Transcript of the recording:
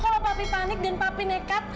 kalau papi panik dan papi nekat